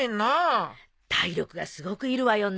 体力がすごくいるわよね。